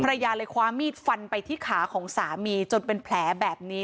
ภรรยาเลยคว้ามีดฟันไปที่ขาของสามีจนเป็นแผลแบบนี้